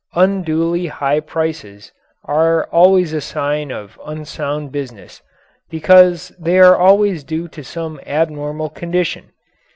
Unduly high prices are always a sign of unsound business, because they are always due to some abnormal condition.